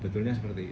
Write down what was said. betulnya seperti itu